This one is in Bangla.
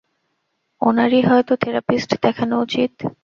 ওনার-ই হয়তো থেরাপিস্ট দেখানো উচিত।